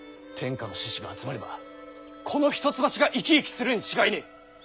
天下の志士が集まればこの一橋が生き生きするに違いねぇ。